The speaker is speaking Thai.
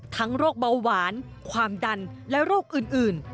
โรคเบาหวานความดันและโรคอื่น